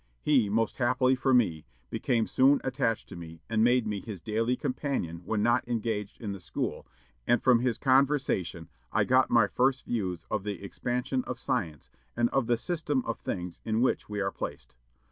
He, most happily for me, became soon attached to me, and made me his daily companion when not engaged in the school; and from his conversation I got my first views of the expansion of science and of the system of things in which we are placed.